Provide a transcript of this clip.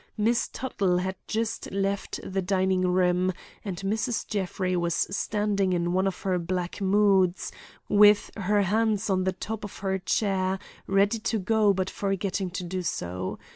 Miss Tuttle had just left the diningroom and Mrs. Jeffrey was standing in one of her black moods, with her hand on the top of her chair, ready to go but forgetting to do so.